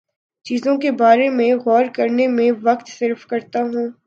چیزوں کے بارے میں غور کرنے میں وقت صرف کرتا ہوں